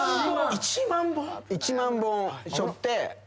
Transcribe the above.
１万本しょって。